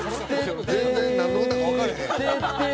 「全然なんの歌かわからへん」